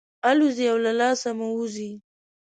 الوزي او له لاسه مو وځي.